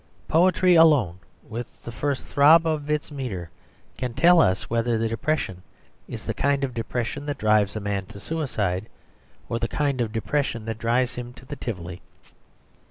Poetry alone, with the first throb of its metre, can tell us whether the depression is the kind of depression that drives a man to suicide, or the kind of depression that drives him to the Tivoli.